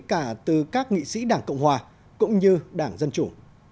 cả từ các nghị sĩ đảng cộng hòa cũng như đảng dân chủ